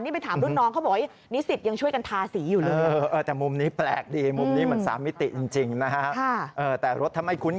นี่ไปถามรุ่นน้องเขาบอกว่านิสิตยังช่วยกันทาสีอยู่เลย